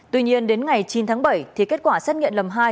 tuy nhiên đến ngày chín tháng bảy thì kết quả xét nghiệm lần hai